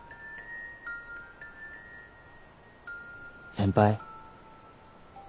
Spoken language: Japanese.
先輩。